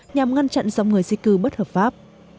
nhằm ngăn chặn dòng người di cư bất hợp pháp